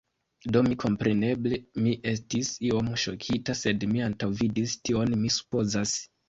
Do mi, kompreneble, mi estis iom ŝokita, sed mi antaŭvidis tion, mi supozas.